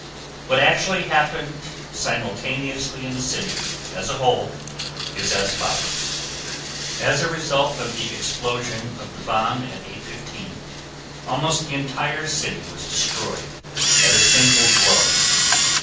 What actually happened simultaneously in the city as a whole is as follows: As a result of the explosion of the bomb at 8:15, almost the entire city was destroyed at a single blow.